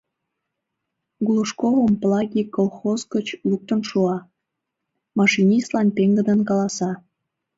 Глушковым Плагий колхоз гыч луктын шуа, машинистлан пеҥгыдын каласа: